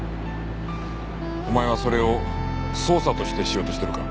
お前はそれを捜査としてしようとしてるか？